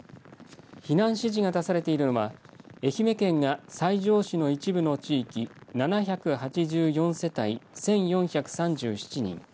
避難指示が出されているのは愛媛県が西条市の一部の地域７８４世帯１４３７人。